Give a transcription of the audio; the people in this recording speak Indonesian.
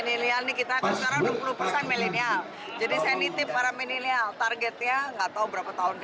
dan kita harapkan kita sempat sempat kembangkan kita nantinya akan mau juga pakai link aja